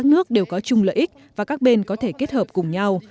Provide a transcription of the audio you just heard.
nước đều có chung lợi ích và các bên có thể kết hợp cùng nhau